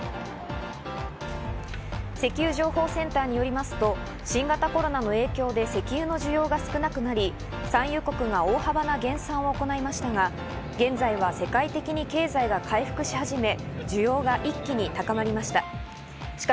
石油情報センターによりますと新型コロナの影響で石油の需要が少なくなり、産油国が大幅な減産を行いましたが、現在は世界的に経済が回復し始め、需要が一気に高まりました。